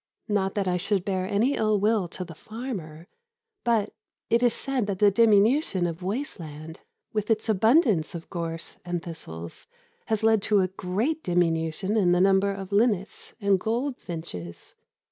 Not that I should bear any ill will to the farmer, but it is said that the diminution of waste land, with its abundance of gorse and thistles, has led to a great diminution in the number of linnets and goldfinches.